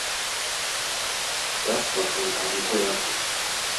Das war ein Abenteuer.